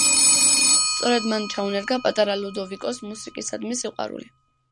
სწორედ მან ჩაუნერგა პატარა ლუდოვიკოს მუსიკისადმი სიყვარული.